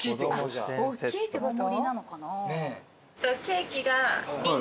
おっきいってこと？